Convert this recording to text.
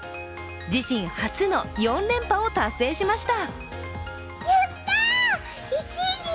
自身初の４連覇を達成しました。